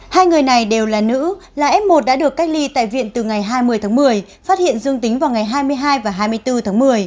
hai người này đều là nữ là f một đã được cách ly tại viện từ ngày hai mươi tháng một mươi phát hiện dương tính vào ngày hai mươi hai và hai mươi bốn tháng một mươi